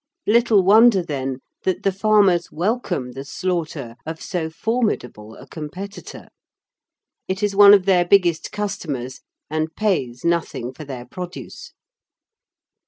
Little wonder then, that the farmers welcome the slaughter of so formidable a competitor! It is one of their biggest customers, and pays nothing for their produce.